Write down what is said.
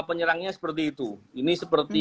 penyerangnya seperti itu ini seperti